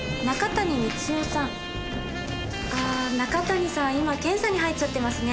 ああ中谷さんは今検査に入っちゃってますね。